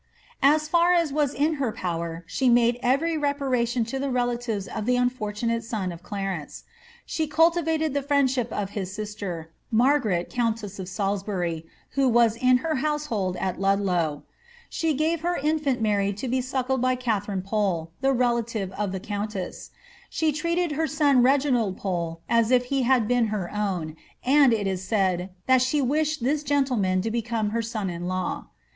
As far as was in her power she made every reparation to the relatives of the unfortunate son of Clarence. She cultivated the friendship of his sister, Margaret countess of Salisbury, who was in her household at Ludlow. She gave her infant Mary to be suckled by Katharine Pole, the relative of the countess; she treated her son Reginald Pole as if he had been her own, and it is said, that she wished this gentleman to become her son in law.